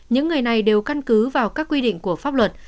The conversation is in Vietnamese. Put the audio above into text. những người này đều căn cứ vào các quy định của pháp luật